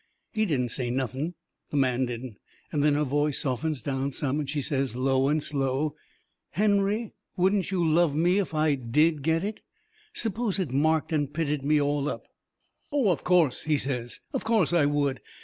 He didn't say nothing, the man didn't; and then her voice softens down some, and she says, low and slow: "Henry, wouldn't you love me if I DID get it? Suppose it marked and pitted me all up?" "Oh, of course," he says, "of course I would.